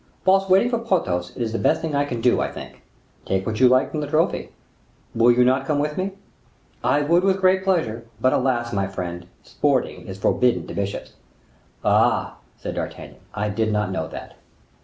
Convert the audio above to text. "Whilst waiting for Porthos, it is the best thing I can do, I think." "Take which you like from the trophy." "Will you not come with me?" "I would with great pleasure; but, alas! my friend, sporting is forbidden to bishops." "Ah!" said D'Artagnan, "I did not know that."